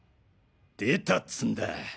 出たっつんだ。